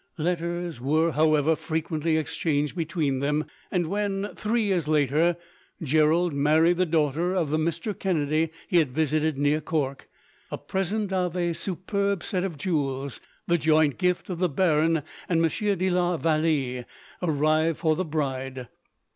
Letters were, however, frequently exchanged between them, and when, three years later, Gerald married the daughter of the Mr. Kennedy he had visited near Cork, a present of a superb set of jewels, the joint gift of the baron and Monsieur de la Vallee, arrived for the bride.